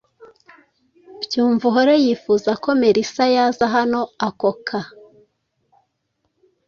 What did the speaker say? Byumvuhore yifuza ko Merisa yaza hano ako kaa.